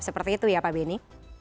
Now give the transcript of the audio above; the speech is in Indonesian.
seperti itu ya pak beni